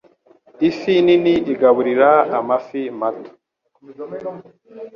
Ifi nini igaburira amafi mato.